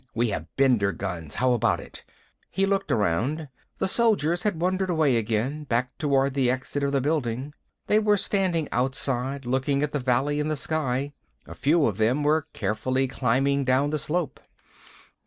We have Bender guns. How about it?" He looked around. The soldiers had wandered away again, back toward the exit of the building. They were standing outside, looking at the valley and the sky. A few of them were carefully climbing down the slope.